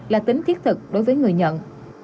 là tính thiết thực đối với người nhận